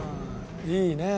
いいねえ。